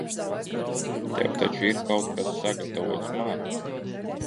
Tev taču ir kaut kas sagatavots man?